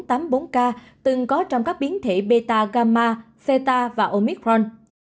n năm trăm linh một i và e bốn trăm tám mươi bốn k từng có trong các biến thể beta gamma theta và omicron